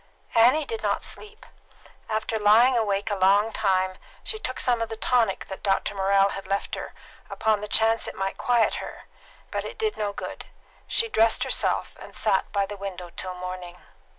Annie did not sleep. After lying a long time awake she took some of the tonic that Dr. Morrell had left her, upon the chance that it might quiet her; but it did no good. She dressed herself, and sat by the window till morning.